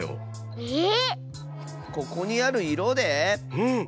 うん。